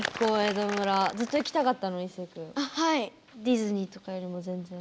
ディズニーとかよりも全然？